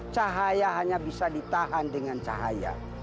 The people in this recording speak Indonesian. cahaya hanya bisa ditahan dengan cahaya